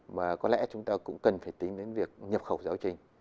mà có lẽ chúng ta cũng cần phải tính đến việc nhập khẩu giáo trình